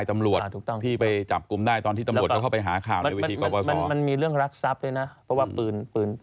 เพราะว่าปืนที่หายอะไรแบบไหน